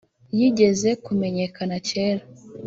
yigeze kumenyekana cyera